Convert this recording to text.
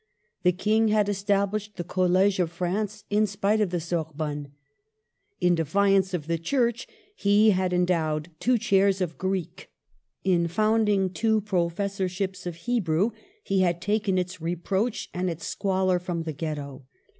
The King had established the Col lege of France, in spite of the Sorbonne. In defiance of the Church, he had endowed two chairs of Greek. In founding two Professor ships of Hebrew, he had taken its reproach and its squalor from the Ghetto.